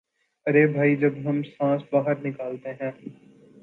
ارے بھئی جب ہم سانس باہر نکالتے ہیں